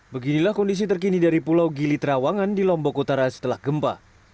beginilah kondisi terkini dari pulau gili trawangan di lombok utara setelah gempa